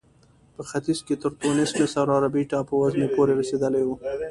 په ختیځ کې تر ټونس، مصر او عربي ټاپو وزمې پورې رسېدلې وې.